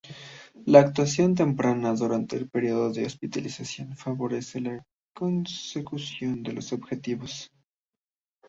La actuación temprana, durante el periodo de hospitalización, favorecerá la consecución de los objetivos.